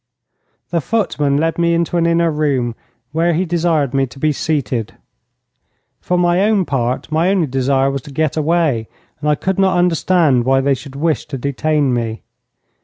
The footman led me into an inner room, where he desired me to be seated. For my own part, my only desire was to get away, and I could not understand why they should wish to detain me.